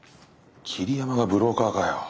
桐山がブローカーかよ。